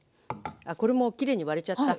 あっこれもきれいに割れちゃった。